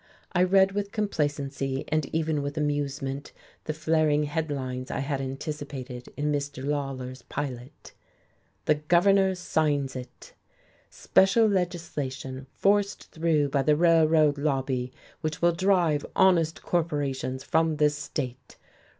I read with complacency and even with amusement the flaring headlines I had anticipated in Mr. Lawler's 'Pilot.' "The Governor Signs It!" "Special legislation, forced through by the Railroad Lobby, which will drive honest corporations from this state."